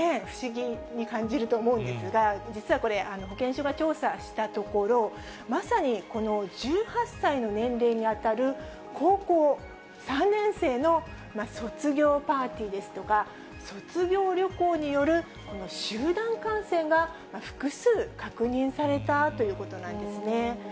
不思議に感じると思うんですが、実はこれ、保健所が調査したところ、まさに、この１８歳の年齢に当たる高校３年生の卒業パーティーですとか、卒業旅行による集団感染が複数確認されたということなんですね。